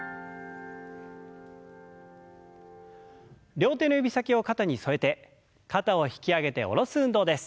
両手の指先を肩に添えて肩を引き上げて下ろす運動です。